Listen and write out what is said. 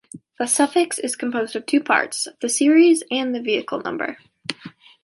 The suffix is composed of two parts: the series and the vehicle number.